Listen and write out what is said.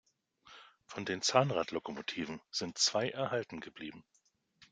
Von den Zahnradlokomotiven sind zwei erhalten geblieben.